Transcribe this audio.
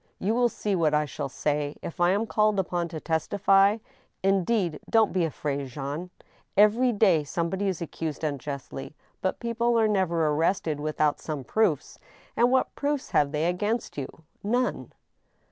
You will see what I shall say, if I am called upon to testify. Indeed, don't be afraid, Jean. Every day somebody is accused unjustly; but people are never arrested without some proofs, and what proofs have they against you? None."